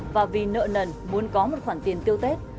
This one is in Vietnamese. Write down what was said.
và vì nợ nần muốn có một khoản tiền tiêu tết